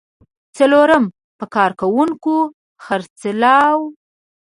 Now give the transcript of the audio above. څلورم: په کارکوونکو خرڅلاو.